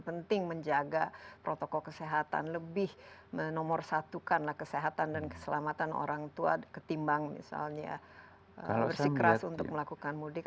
penting menjaga protokol kesehatan lebih menomorsatukanlah kesehatan dan keselamatan orang tua ketimbang misalnya bersikeras untuk melakukan mudik